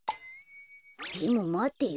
でもまてよ。